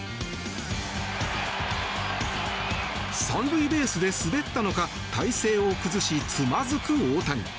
３塁ベースで滑ったのか体勢を崩し、つまずく大谷。